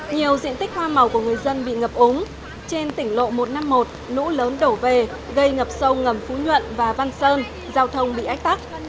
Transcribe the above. nhiều diện tích hoa màu của người dân bị ngập úng trên tỉnh lộ một trăm năm mươi một nũ lớn đổ về gây ngập sâu ngầm phú nhuận và văn sơn giao thông bị ách tắc